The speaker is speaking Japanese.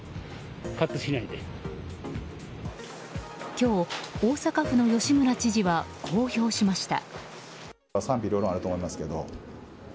今日、大阪府の吉村知事はこう評しました。